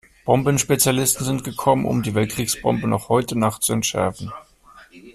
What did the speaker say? Bombenspezialisten sind gekommen, um die Weltkriegsbombe noch heute Nacht zu entschärfen.